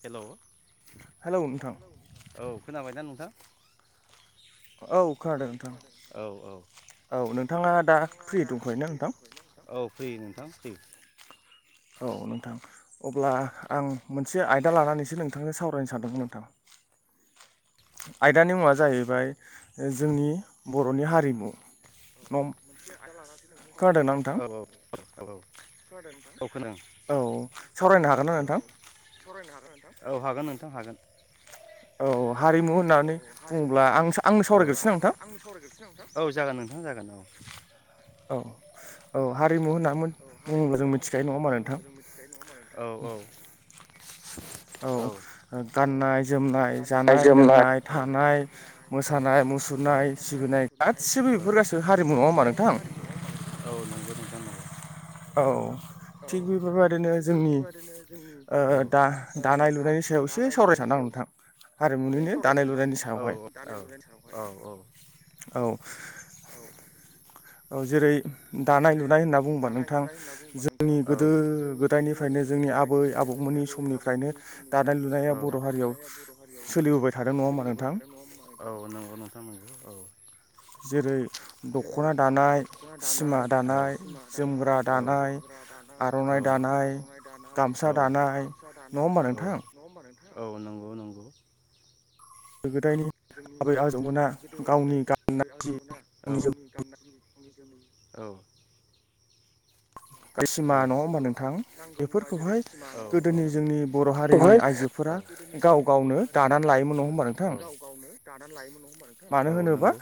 हेल' [inaudible] औ खोनाबायना नोंथां? औ खोनादों नोंथां। औ नोंथाङा दा फ्रि दंखायो ना नोंथां फ्रि नोंथां फ्रि औ नोंथां अब्ला आं मोनसे आयदा लानानैसो नोंथांनो सावरायनो सानदोंमोन नोंथां [inaudible] आयदानि मुङा जाहैबाय जोंनि बर'नि हारिमु मोनसे आइ लानानै औ खादों नोंथां [inaudible] औ सावरायनो हागोन ना नोंथां? औ हागोन नोंथां हागोन औ हारिमु होननानै बुङोब्ला आं आंनो सावरायग्रोसै नोंथां औ जागोन नोंथां जागोन औ औ औ हारिमु होननानै मोन बुङोब्ला जों मिथिखायो नङा होमबा नोंथां [inaudible] औ गाननाय जोमनाय जानाय लोंनाय थानाय मोसानाय मुसु औ मोसानाय मुसुरनाय फिसनाय गासिबो बेफोर गासै हारिमु नङा ओमबा नोंथां औ नंगौ नंगौ नोंथां नंगौ औ थिग बेफोरबायदिनो जोंनि ओ दा दानाय-लुनायनि सायाव एसे सावरायनो सानदो आं नोंथां इसे सावरायनो सानदां नोंथां औ औ औ औ औ जेरै दानाय-लुनाय होनना बुङोबा नोंथां जोंनि गोदो गोदायनिफायनो जोंनि आबै आबौ मोननि समनिफ्रायनो दानाय लुनाया बर' हारियाव सोलिबोबायथादों नङा होमबा नोंथां औ नंगौ नोंथां नंगौ औ जेरै दख'ना दानाय दानाय औ सिमा दानाय औ जोमग्रा दानाय औ आर'नाइ दानाय औ दानाय नङा होमबा नोंथां औ नंगौ नंगौ जोंनि गोदो गोदायनि आबै आबौमोना गावनि गाननाय औ सिमा नङा होमबा नोंथां बेफोरखौहाय गोदोनि जोंनि बर' हारिनि आइजो फोरा गाव गावनो दानानै लायोमोन नङा होमबा नोंथां गावनो दानानै लायोमोन नङा होमबा नोंथां औ नंगौ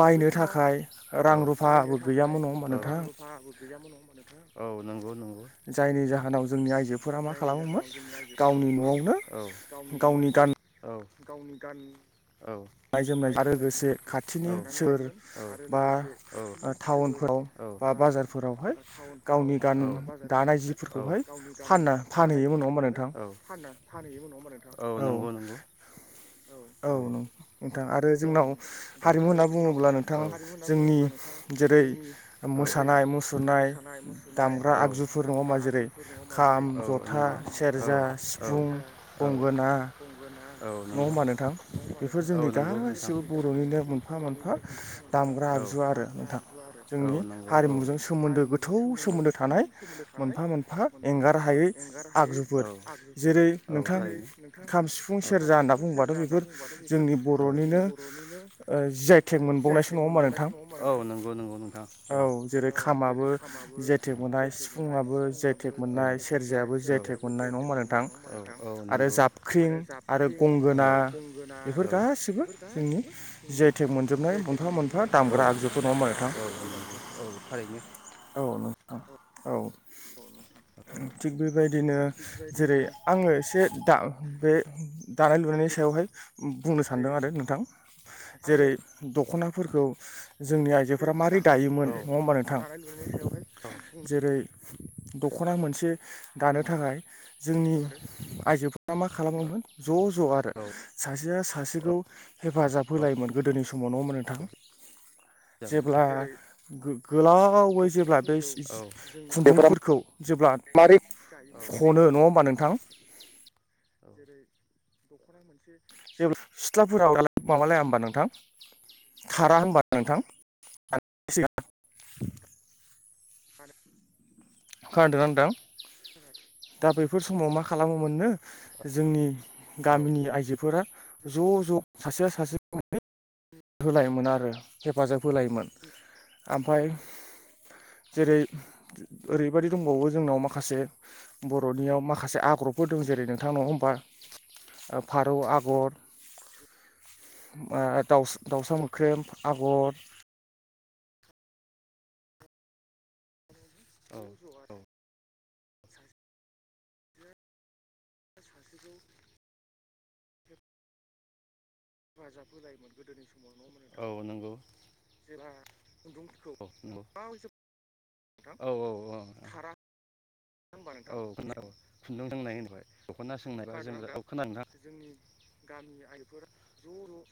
बायनो थाखाय रां रुफाबो गैयामोन नङा होमबा नोंथां [unintelligible] औ नोंगौ नोंगौ जायनि जाहोनाव जोंनि आइजो जायनि जाहोनाव जोंनि आइजोफोरा मा खालामोमोन औ गावनि न'आवनो औ गावनि गान औ रायजो मागिफोरखौ दानानै लायोमोन आरो लोगोसे सोहोर बा बाजारफोरावहाय गावनि गान दानाय जिफोरखौहाय गान दानाय जिफोरखौहाय औ फान फानहैयो उनाव नोंथां औ नंगौ नंगौ औ नोंथां आरो जोंनाव हारिमु होनना बुङोब्ला नोंथां जोंनि जेरै मोसानाय मुसुरनाय दामग्रा आगजुफोर नङा होमबा जेरै खा खाम, जथा, सेरजा, सिफुं, गंगोना नङा होमबा नोंथां बेफोर जोंनि गासिबो बर'निनो मोनफा मोनफा दामग्रा जु आरो नोंथां जोंनि हारिमुजों सोमोन्दो गोथौ सोमोन्दो थानाय मोनफा मोन फा एंगारहायै आगजुफोर जेरै नोंथां खाम, सिफुं सेरजा होनना बुंबाथ' बेफोर जोंनि बर'निनो ओ जि आइ टेग मोनबावनायसो नङा होमबा नोंथां? नोंथां औ जेरै खामाबो जि आइ टेग मोननाय सिफुङाबो जि आइ टेग मोननाय [unintelligible] औ नंगौ औ औ आरो गंगोना बेफोर गासिबो जोंनि जि आइ टेग मोनजोबनाय मोनफा मोनफा औ दामग्रा औ नंगौ औ थारैनो औ नोंथां औ थिग बेबायदिनो जेरै आङो एसे दा बे दानाय-लुनायनि सायावहाय बुंनो सानदों आरो नोंथां जेरै दख'ना फोरखौ जोंनि आइजोफोरा मारै दायोमोन नङा होमबा नोंथां जेरै दख'ना मोनसे दानो थाखाय जोंनि आइ जोफोरा मा खालामोमोन ज' ज' आरो सासेया सासेखौ हेफाजाब होलायोमोन गोदोनि स समाव नङा ओमबा नोंथां जेब्ला गोलावै जेब्ला बै खुन्दुंफोरखौ जेब्ला औ [inaudible] जेरै दख'ना मोनसे जेब्ला सिथ्लाफोराव माबालाया ओमबा नोंथां खारा होनबा नोंथां [unintelligible] अखा हादोंना नोंथां जाबाय दा बैफोर समाव मा खालामोमोननो जोंनि गामिनि आइजोफोरा ज' ज' सासेया सासे होलायोमोन आरो हेफाजाब होलायोमोन ओमफ्राय जेरै ओरैबायदि दंबावो जोंनाव माखासे बर'नियाव माखासे आगर बर'फोर दं जेरै नोंथां नङा होनबा फारौ आगर दाउ दाउसा मोख्रेम आगर औ औ [unintelligible] सासेखौ हेफाजाब होलायोमोन गोदोनि समाव औ नंगौ जेब्ला खन्दुं औ औ औ ओ खारा औ औ खुन्दुं सोंनाय होनबाय दख'ना सोंनाय [unintelligible] गामि आइफोरा ज' ज'